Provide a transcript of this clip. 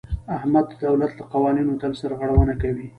احمد د دولت له قوانینو تل سرغړونه کوي.